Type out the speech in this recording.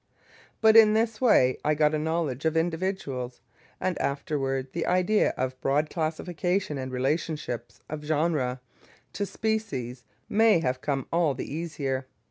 But in this way I got a knowledge of individuals, and afterwards the idea of broad classification and relationship of genera to species may have come all the easier.